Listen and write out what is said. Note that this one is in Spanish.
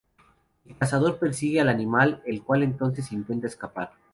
El cazador persigue al animal, el cual entonces intenta escapar.